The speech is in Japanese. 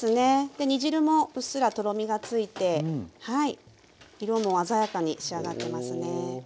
で煮汁もうっすらとろみがついて色も鮮やかに仕上がってますね。